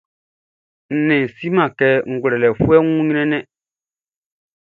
Nnɛnʼn siman kɛ ngwlɛlɛfuɛʼn wun ɲrɛnnɛn.